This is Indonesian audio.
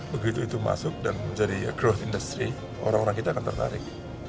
begitu itu masuk dan menjadi growth industry orang orang kita akan tertarik